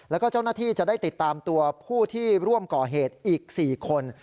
แล้วก็เจ้าหน้าที่จะได้ติดตามตัวผู้ที่ร่วมก่อเหตุอีก๔คน